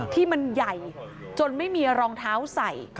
ที่มันใหญ่จนไม่มีรองเท้าใส่